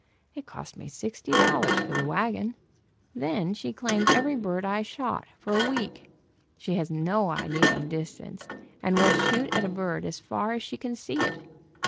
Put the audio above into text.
It cost me sixty dollars for the wagon. Then she cjaimed every bird I shot, for a week. She has no idea of distance, and will shoot at a bird as far as she can see it.